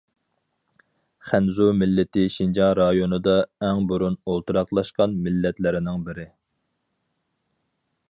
خەنزۇ مىللىتى شىنجاڭ رايونىدا ئەڭ بۇرۇن ئولتۇراقلاشقان مىللەتلەرنىڭ بىرى.